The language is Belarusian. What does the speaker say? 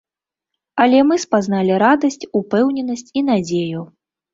Але мы спазналі радасць, упэўненасць і надзею.